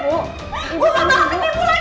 gua mau lagi sama lu dong